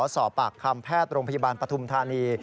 สอบปากคำแพทย์โรงพยาบาลปฐุมธานี